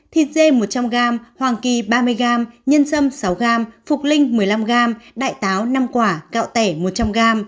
thịt dê một trăm linh g hoàng kỳ ba mươi g nhân xâm sáu g phục linh một mươi năm g đại táo năm quả gạo tẻ một trăm linh g